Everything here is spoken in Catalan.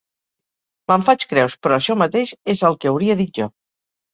Me'n faig creus, però això mateix és el que hauria dit jo.